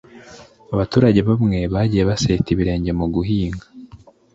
abaturage bamwe bagiye baseta ibirenge mu guhinga